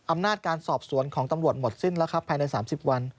อำนาจการสอบสวนของตำรวจหมดสิ้นแล้วครับภายใน๓๐วัน